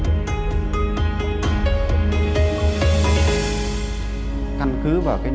căn cứ vào cái nội dung mà bị gan khai nhận